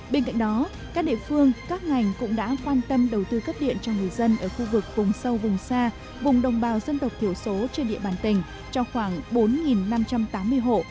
bên cạnh đó các địa phương các ngành cũng đã quan tâm đầu tư cấp điện cho người dân ở khu vực vùng sâu vùng xa vùng đồng bào dân tộc thiểu số trên địa bàn tỉnh cho khoảng bốn năm trăm tám mươi hộ